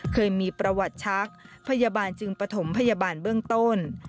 เคยมีประวัติชักพยาบาลจึงปฐมพยาบาลเบื้องต้น